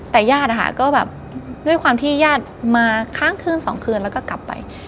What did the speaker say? แต่ญาตินะคะก็แบบด้วยความที่ญาติมาครั้งคืนสองคืนแล้วก็กลับไป